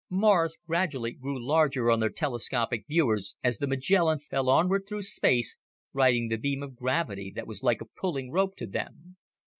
Mars gradually grew larger on their telescopic viewers as the Magellan fell onward through space, riding the beam of gravity that was like a pulling rope to them.